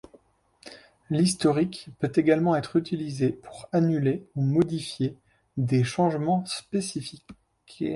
L'historique peut également être utilisé pour annuler ou modifier des changements spécifiques.